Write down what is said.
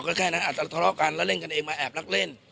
ก็แค่นั้นอาจจะทะเลาะกันแล้วเล่นกันเองมาแอบลักเล่น